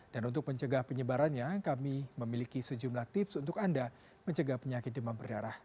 dan untuk mencegah penyebarannya kami memiliki sejumlah tips untuk anda mencegah penyakit demam berdarah